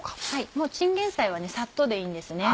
もうチンゲンサイはサッとでいいんです。